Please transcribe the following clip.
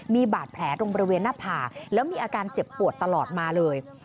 มีบาดแผลตรงบริเวณหน้าผากแล้วมีอาการเจ็บปวดตลอดมาเลย